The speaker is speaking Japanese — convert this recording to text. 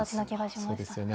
そうですよね。